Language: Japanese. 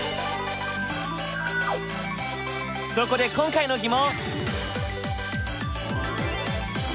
そこで今回の疑問！